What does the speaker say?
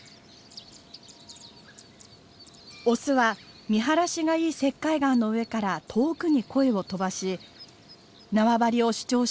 オスは見晴らしがいい石灰岩の上から遠くに声を飛ばし縄張りを主張したりメスを呼び寄せたりします。